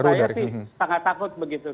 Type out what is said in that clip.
saya sih sangat takut begitu